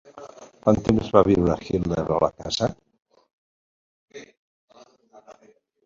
Quant temps va viure Hitler a la casa?